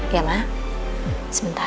iya ma sebentar